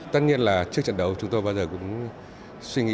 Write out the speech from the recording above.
tất nhiên là trước trận đấu chúng tôi bao giờ cũng suy nghĩ